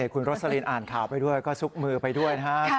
คุณโรสลินอ่านข่าวไปด้วยก็ซุกมือไปด้วยนะครับ